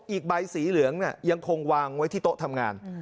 อีกใบสีเหลืองยังคงวางไว้ที่โต๊ะทำงาน